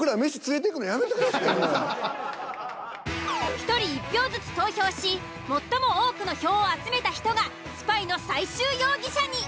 １人１票ずつ投票し最も多くの票を集めた人がスパイの最終容疑者に。